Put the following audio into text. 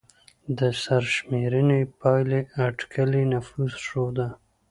د سرشمېرنې پایلې اټکلي نفوس ښوده.